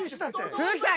鈴木さん